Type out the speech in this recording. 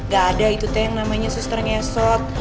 gak ada itu teh yang namanya suster ngesot